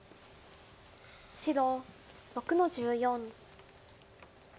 白６の十四。